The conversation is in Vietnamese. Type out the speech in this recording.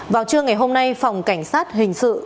vào trưa ngày hôm nay phòng cảnh sát hình sự